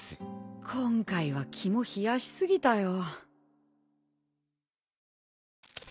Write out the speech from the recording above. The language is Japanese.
今回は肝冷やし過ぎたよ。